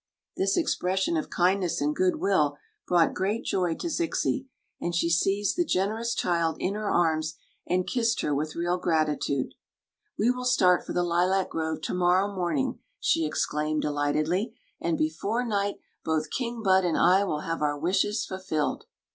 This expression of kindness and good will brought great joy to Zixi, and she seized the generous child in her arms and kissed her with real gratitude. We will sfart for tfie Ulac ^ve to ni€Mrrow m&m^ Story of the Magic Cloak 249 ing," she exclaimed delightedly; "and before night both King Bud and I will have our wishes fulfilled!"